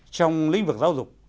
trong lĩnh vực giáo dục